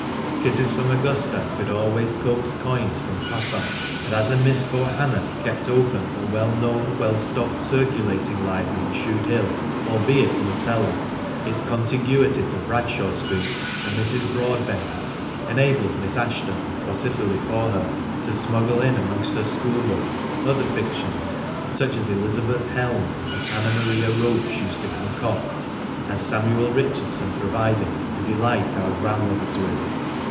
Kisses from Augusta could always coax coins from papa, and as a Miss Bohanna kept open a well known, well stocked circulating library in Shudehill, 202 THE MANCHESTER MAN. albeit in a cellar, its contiguity to Bradshaw Street and Mrs. Broadbent's enabled Miss Ashton (or Cicely for her) to smuggle in amongst her school books ether fictions, such as Elizabeth Helme and Anna Maria Roche used to concoct, and Samuel Richardson provided, to delight our grandmothers with.